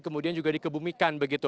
kemudian juga dikebumikan